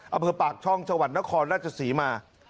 เอาเผื่อปากช่องชวัดนครราชศรีมา